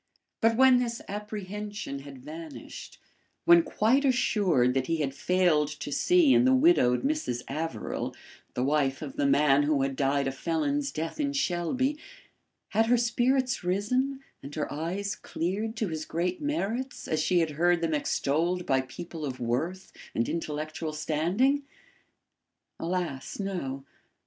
But when this apprehension had vanished; when quite assured that he had failed to see in the widowed Mrs. Averill the wife of the man who had died a felon's death in Shelby, had her spirits risen and her eyes cleared to his great merits as she had heard them extolled by people of worth and intellectual standing? Alas, no.